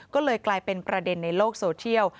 ก็เลยกลายเป็นประเด็นในโลกโซเทียล